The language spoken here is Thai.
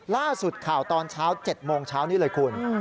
ล่าสุดข่าวตอนเช้า๗โมงเช้านี้เลยคุณ